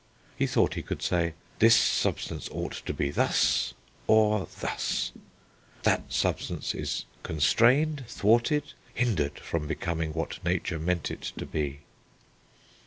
He thought he could say, "this substance ought to be thus, or thus," "that substance is constrained, thwarted, hindered from becoming what nature meant it to be."